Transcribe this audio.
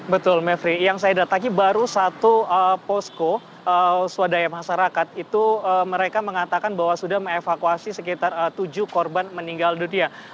betul mevri yang saya datangi baru satu posko swadaya masyarakat itu mereka mengatakan bahwa sudah mengevakuasi sekitar tujuh korban meninggal dunia